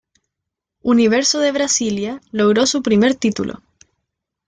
Universo de Brasilia logró su primer título.